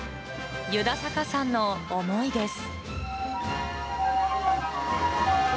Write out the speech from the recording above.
湯田坂さんの思いです。